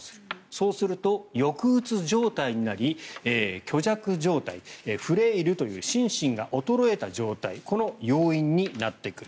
そうすると抑うつ状態になり虚弱状態フレイルという心身が衰えた状態この要因になってくる。